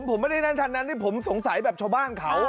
ผมไม่ได้รันทางนั้นผมสงสัยแบบชาวบ้างเขา